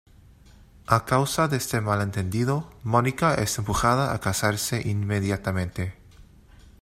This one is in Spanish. A causa de este malentendido, Mónica es empujada a casarse inmediatamente.